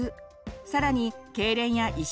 更にけいれんや意識